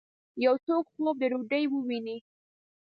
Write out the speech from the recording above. یو څوک خوب د ډوډۍ وویني